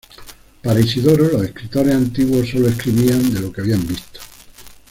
Para Isidoro, los escritores antiguos sólo escribían de lo que habían visto.